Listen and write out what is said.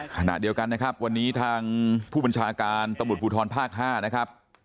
ขณะเดียวกันนะครับวันนี้ทางผู้บัญชาการตำรวจภูทรภาค๕นะครับ